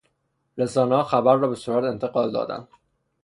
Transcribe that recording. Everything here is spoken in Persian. رسانهها خبر را به سرعت انتقال دادند.